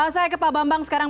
saya ke pak bambang sekarang